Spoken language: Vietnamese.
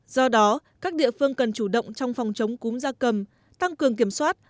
do đó các địa phương cần chủ động trong phòng chống cúm gia cầm tăng cường kiểm soát